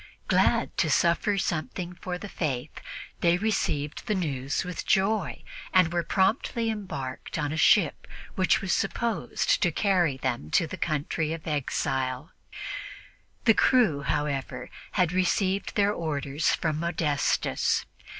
Glad to suffer something for the Faith, they received the news with joy and were promptly embarked on a ship which was supposedly to carry them to the country of their exile. The crew, however, had received their orders from Modestus.